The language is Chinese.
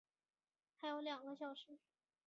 还有两个小时